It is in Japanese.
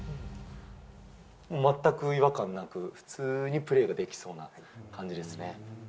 全く違和感なく、普通にプレーができそうな感じですね。